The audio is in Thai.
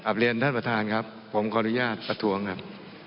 เรียนท่านประธานครับผมขออนุญาตประท้วงครับ